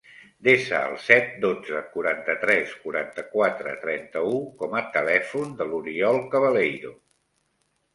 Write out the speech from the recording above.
Desa el set, dotze, quaranta-tres, quaranta-quatre, trenta-u com a telèfon de l'Oriol Cabaleiro.